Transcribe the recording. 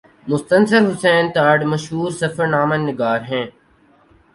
مستنصر حسین تارڑ مشہور سفرنامہ نگار ہیں